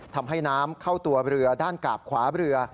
ทำให้น้ำเข้าตัวเรือด้านกาบขวาเรือ